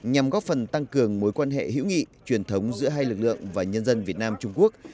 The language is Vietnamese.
nhằm góp phần tăng cường mối quan hệ hữu nghị truyền thống giữa hai lực lượng và nhân dân việt nam trung quốc